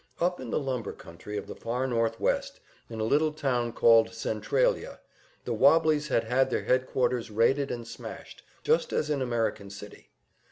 Up in the lumber country of the far Northwest, in a little town called Centralia, the "wobblies" had had their headquarters raided and smashed, just as in American City.